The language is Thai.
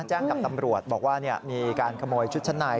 แจ้งกับตำรวจบอกว่ามีการขโมยชุดชั้นใน